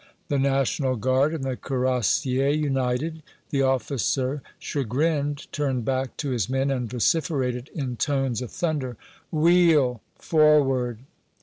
The National Guard and the cuirassiers united. The officer, chagrined, turned back to his men and vociferated in tones of thunder: "Wheel! Forward!"